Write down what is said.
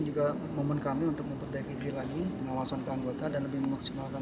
juga membutuhkan untuk memperbaiki diri lagi pengawasan kandungan dan lebih memaksimalkan